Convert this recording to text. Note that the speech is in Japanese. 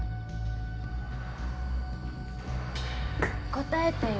答えてよ。